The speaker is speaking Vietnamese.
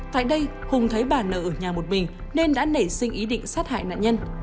tại đây hùng thấy bà nợ ở nhà một mình nên đã nảy sinh ý định sát hại nạn nhân